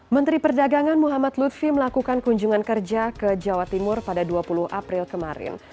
menteri perdagangan muhammad lutfi melakukan kunjungan kerja ke jawa timur pada dua puluh april kemarin